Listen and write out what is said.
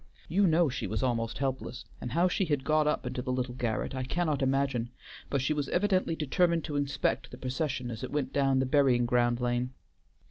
You know she was almost helpless, and how she had got up into the little garret I cannot imagine, but she was evidently determined to inspect the procession as it went down the burying ground lane.